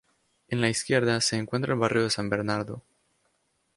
En la izquierda se encuentra el barrio de San Bernardo.